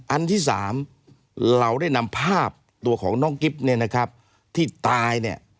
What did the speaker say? อันที่๓เราได้นำภาพตัวของน้องกิ๊บเนี่ยนะครับที่ตายเนี่ย